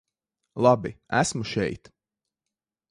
Labi, esmu šeit.